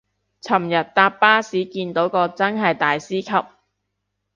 尋日搭巴士見到個真係大師級